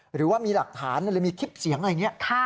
หรือว่ามีหลักฐานหรือมีคลิปเสียงอะไรอย่างนี้